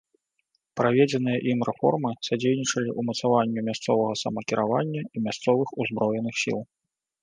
Праведзеныя ім рэформы садзейнічалі ўмацаванню мясцовага самакіравання і мясцовых узброеных сіл.